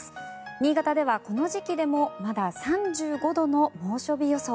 新潟では、この時期でもまだ３５度の猛暑日予想。